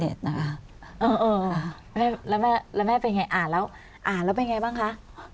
เออแล้วแม่เป็นอย่างไรอ่านแล้วอ่านแล้วเป็นอย่างไรบ้างคะ